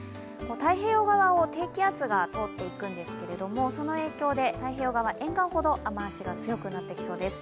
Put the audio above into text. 太平洋側を低気圧が通っていくんですけどもその影響で太平洋側は沿岸ほど雨足が強くなってきそうです。